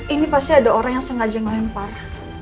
ini pasti ada orang yang sengaja ngelempar